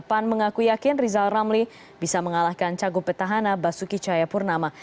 pan mengaku yakin rizal ramli bisa mengalahkan cagup petahana basuki cahayapurnama